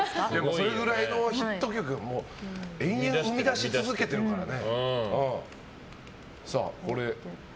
それぐらいのヒット曲を延々生み出し続けてるからね。